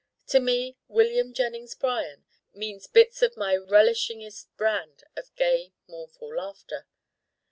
To me William Jennings Bryan means bits of my relishingest brand of gay mournful Laughter.